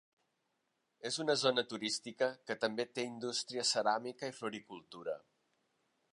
És una zona turística que també té indústria ceràmica i floricultura.